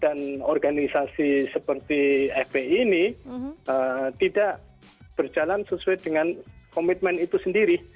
dan organisasi seperti fpi ini tidak berjalan sesuai dengan komitmen itu sendiri